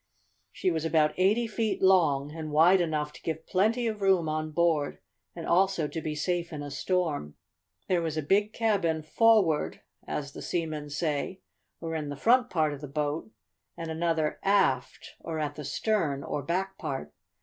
She was about eighty feet long, and wide enough to give plenty of room on board, and also to be safe in a storm. There was a big cabin "forward," as the seamen say, or in the front part of the boat, and another "aft," or at the stern, or back part.